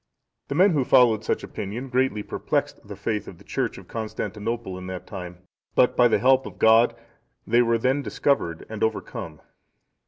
The men who followed such opinion greatly perplexed the faith of the Church of Constantinople at that time; but by the help of God they were then discovered and overcome.